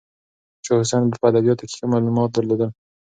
شاه حسین په ادبیاتو کې ښه معلومات درلودل.